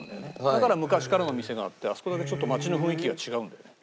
だから昔からの店があってあそこだけちょっと街の雰囲気が違うんだよね。